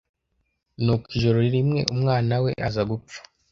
Nuko ijoro rimwe umwana we aza gupfa